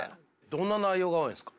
どんな内容が多いんですか？